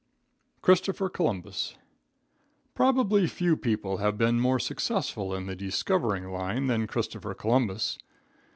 Christopher Columbus. Probably few people have been more successful in the discovering line than Christopher Columbus.